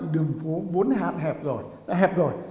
đường phố vốn hạn hẹp rồi đã hẹp rồi